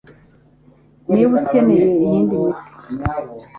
Niba ukeneye iyi miti